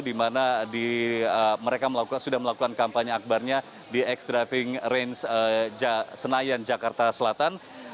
di mana mereka sudah melakukan kampanye akbarnya di x driving range senayan jakarta selatan